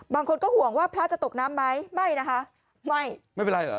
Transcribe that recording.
บางคนก็ห่วงว่าพระจะตกน้ำไหมไม่นะคะไม่ไม่เป็นไรเหรอ